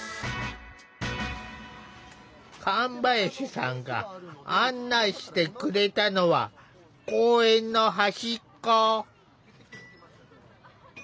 神林さんが案内してくれたのは公園の端っこ。